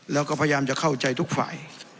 แล้วก็พยายามจะเข้าใจทุกฝ่าย